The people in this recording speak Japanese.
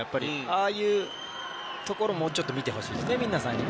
ああいうところを、もうちょっと皆さんに見てほしいですね。